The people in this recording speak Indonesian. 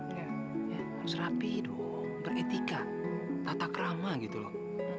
harus rapi dong beretika tatakrama gitu loh